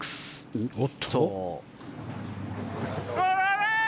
おっと？